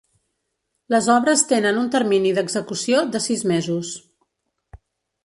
Les obres tenen un termini d’execució de sis mesos.